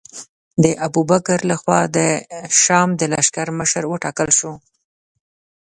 د ابوبکر له خوا د شام د لښکر مشر وټاکل شو.